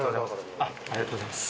ありがとうございます。